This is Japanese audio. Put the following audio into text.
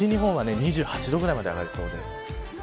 西日本は２８度ぐらいまで上がる予想です。